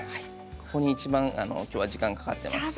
ここに一番きょうは時間かかってます。